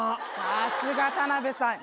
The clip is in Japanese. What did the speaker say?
さすが田辺さん。